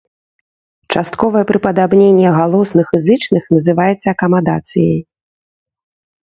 Частковае прыпадабненне галосных і зычных называецца акамадацыяй.